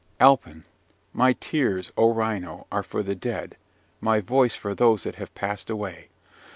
"Alpin. My tears, O Ryno! are for the dead my voice for those that have passed away.